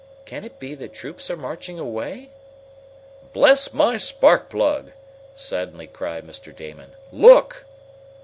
Can it be that troops are marching away?" "Bless my spark plug!" suddenly cried Mr. Damon. "Look!"